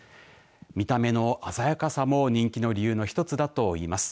見た目の鮮やかさも人気の理由の一つだといいます。